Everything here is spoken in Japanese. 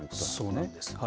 そうなんです。